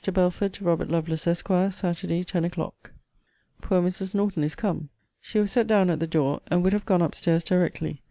BELFORD, TO ROBERT LOVELACE, ESQ. SAT. TEN O'CLOCK. Poor Mrs. Norton is come. She was set down at the door; and would have gone up stairs directly.